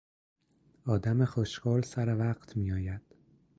آدم خوش قول سر وقت میآید.